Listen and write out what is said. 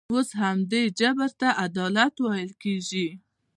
اوس همدې جبر ته عدالت ویل کېږي.